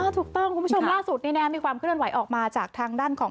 คุณผู้ชมล่าสุดนี้มีความเคลื่อนไหวออกมาจากทางด้านของ